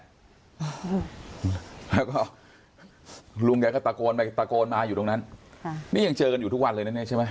อืมแล้วก็ลุงแกก็ตะโกนไปตะโกนมาอยู่ตรงนั้นค่ะนี่ยังเจอกันอยู่ทุกวันเลยนะเนี่ยใช่ไหม